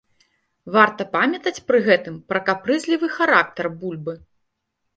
Варта памятаць пры гэтым пра капрызлівы характар бульбы.